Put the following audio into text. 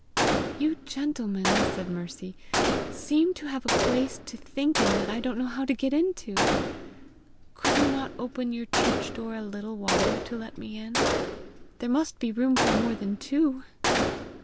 "You gentlemen," said Mercy, "seem to have a place to think in that I don't know how to get into! Could you not open your church door a little wider to let me in? There must be room for more than two!"